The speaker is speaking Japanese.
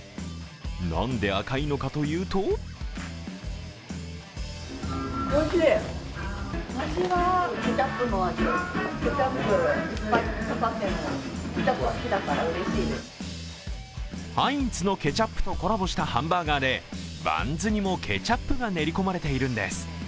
なんで赤いのかというとハインツのケチャップとコラボしたハンバーガーでバンズにもケチャップが練り込まれているんです。